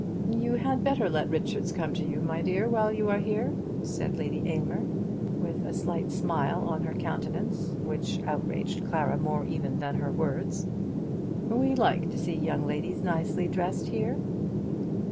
"You had better let Richards come to you, my dear, while you are here," said Lady Aylmer, with a slight smile on her countenance which outraged Clara more even than the words. "We like to see young ladies nicely dressed here."